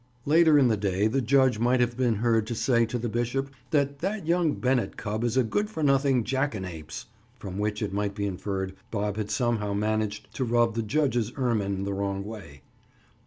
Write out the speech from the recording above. Later in the day the judge might have been heard to say to the bishop that "that young Bennett cub is a good for nothing jackanapes"—from which it might be inferred Bob had somehow managed to rub the judge's ermine the wrong way.